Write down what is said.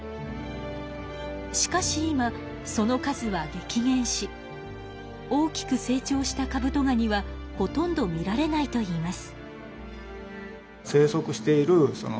しかし今その数はげき減し大きく成長したカブトガニはほとんど見られないといいます。